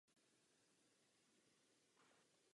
Leo ale o něm ví a chce ho zničit.